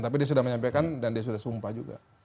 tapi dia sudah menyampaikan dan dia sudah sumpah juga